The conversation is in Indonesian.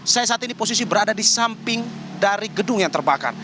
saya saat ini posisi berada di samping dari gedung yang terbakar